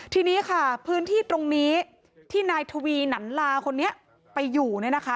ทีนี้ค่ะพื้นที่ตรงนี้ที่นายทวีหนันลาคนนี้ไปอยู่เนี่ยนะคะ